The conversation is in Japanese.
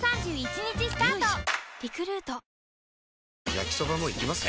焼きソバもいきます？